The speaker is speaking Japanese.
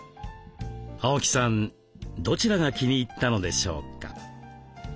青木さんどちらが気に入ったのでしょうか？